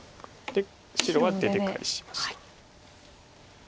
で白は出で返しました。